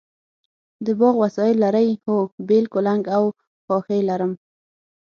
د باغ وسایل لرئ؟ هو، بیل، کلنګ او خاښۍ لرم